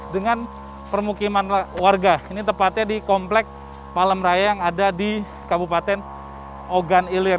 dengan permukiman warga ini tepatnya di komplek palemraya yang ada di kabupaten ogan ilir